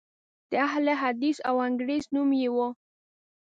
د اهل حدیث وانګریز نوم یې و.